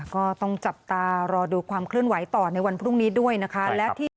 ก็ต้องจับตารอดูความเคลื่อนไหวต่อในวันพรุ่งนี้ด้วยนะคะ